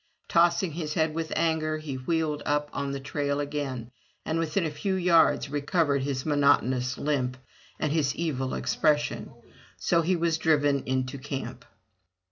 Tossing his head with anger, he wheeled on up the trail again, and within a few yards recovered his monotonous limp and his evil expression. So he was driven into camp.